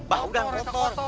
bau dan kotor